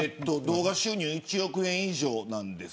動画収入１億円以上なんです。